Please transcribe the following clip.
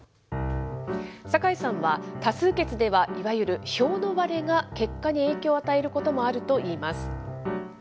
坂井さんは、多数決ではいわゆる票の割れが結果に影響を与えることもあるといいます。